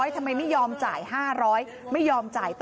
ทำไมไม่ยอมจ่าย๕๐๐